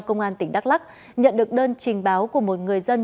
công an tp đắc lắc nhận được đơn trình báo của một người dân